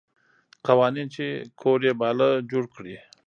قوانین چې کوډ یې باله جوړ کړي.